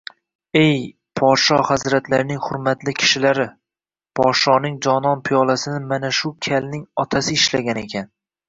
Ey, podsho hazratlarining hurmatli kishilari, podshoning jonon piyolasini mana shu kalning otasi ishlagan ekan